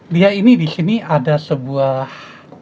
dia ini di sini ada sebuah